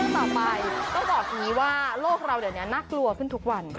เรื่องต่อไปก็บอกนี้ว่าโลกเราเดี๋ยวนี้น่ากลัวขึ้นทุกวัน